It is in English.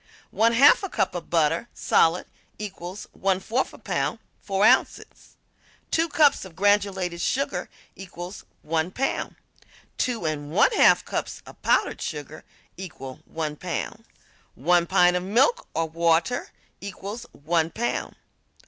One half cup of butter, solid, equals 1/4 pound 4 ounces. Two cups of granulated sugar equal 1 pound. Two and one half cups of powdered sugar equal 1 pound. One pint of milk or water equals 1 pound.